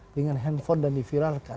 dengan handphone dan diviralkan